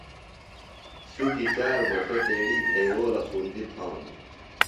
شُکی چار بہ سوۡ تیݨی گھئیوؤلہ خُندیۡ تھانوۡ۔